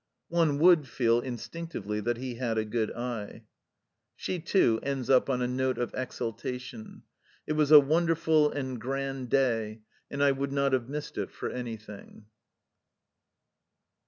One would feel instinctively that he had a good eye ! She too, ends up on a note of exultation :" It was a wonderful and grand day, and I would not have missed it for anything."